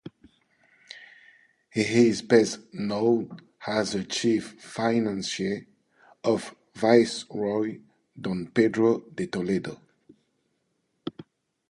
He is best known as the chief financier of viceroy Don Pedro de Toledo.